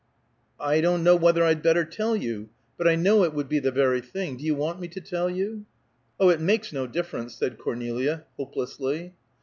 "I don't know whether I'd better tell you. But I know it would be the very thing. Do you want me to tell you?" "Oh, it makes no difference," said Cornelia, hopelessly.